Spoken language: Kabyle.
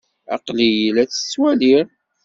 Aql-iyi la t-ttwaliɣ.